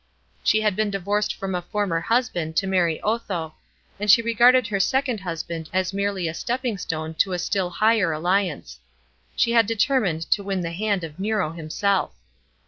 She had been divorced from a former husband to marry Otho, and she regarded her second husband as merely a stepping stone to a still higher alliance. She had determined to win the hand of Nero hinoelf.